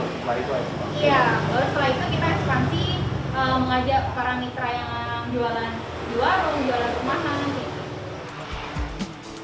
iya baru setelah itu kita ekspansi mengajak para mitra yang jualan di warung jualan rumah nah kayak gitu